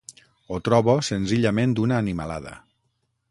Ho trobo senzillament una animalada.